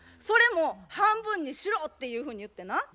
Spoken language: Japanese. それも半分にしろ」っていうふうに言ってな。